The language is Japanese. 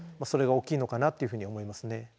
それが大きいのかなというふうに思いますね。